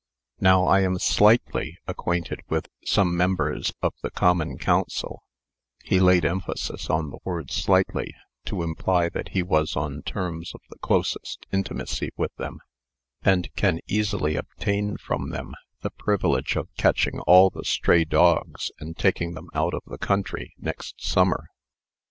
"Now, I am slightly acquainted with some members of the Common Council" (he laid emphasis on the word "slightly," to imply that he was on terms of the closest intimacy with them), "and can easily obtain from them the privilege of catching all the stray dogs, and taking them out of the country next summer."